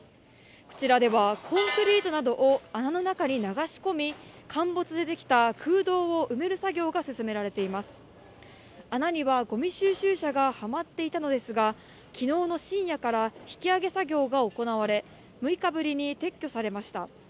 こちらではコンクリートを穴の中に流し込み陥没で出来た空洞を埋める作業が進められています穴にはごみ収集車がはまっていたのですが昨日の深夜から引き上げ作業が行われ６日ぶりに撤去されました